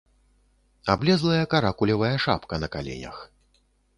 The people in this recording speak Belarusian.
Аблезлая каракулевая шапка на каленях.